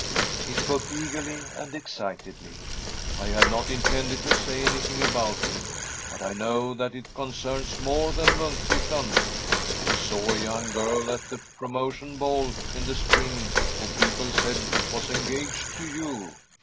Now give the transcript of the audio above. He spoke eagerly and ex citedly. * I had not intended to say anything about it, but I know that it concerns more than Munkhyttan. I saw a young girl at the Promo tion Ball in the spring who, people said, was en gaged to you.